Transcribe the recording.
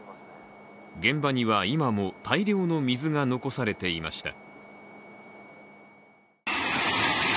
現場には今も大量の水が残されていました。